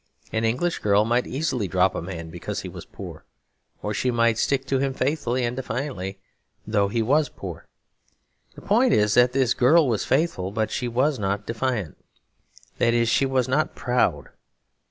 An English girl might easily drop a man because he was poor, or she might stick to him faithfully and defiantly although he was poor. The point is that this girl was faithful but she was not defiant; that is, she was not proud.